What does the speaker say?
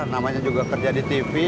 namanya juga kerja di tv